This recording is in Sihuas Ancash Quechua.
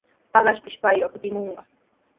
Paqaspashi payqa kutimunqa.